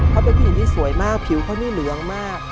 เขาเป็นผู้หญิงที่สวยมากผิวเขานี่เหลืองมาก